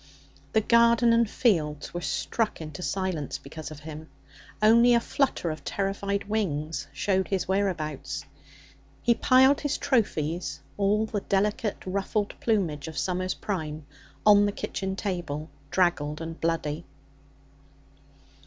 The garden and fields were struck into silence because of him; only a flutter of terrified wings showed his whereabouts. He piled his trophies all the delicate ruffled plumage of summer's prime on the kitchen table, draggled and bloody.